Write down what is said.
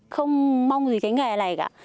không mong gì cái nghề này cả